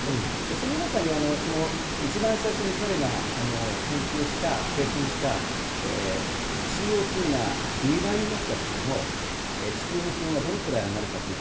その中に最初に彼が研究した、計算したＣＯ２が２倍になった時の地球の気温がどのくらい上がるかという。